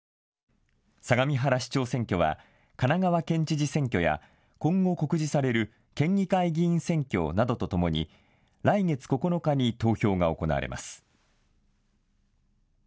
相模原市長選挙は神奈川県知事選挙や今後、告示される県議会議員選挙などとともに来月９日に投票が行われます。